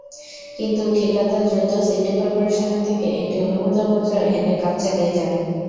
কিন্তু ঠিকাদার দ্রুত সিটি করপোরেশন থেকে একটি অনুমতিপত্র এনে কাজ চালিয়ে যান।